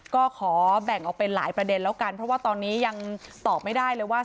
ก็ขอแบ่งออกเป็นหลายประเด็นแล้วกันเพราะว่าตอนนี้ยังตอบไม่ได้เลยว่า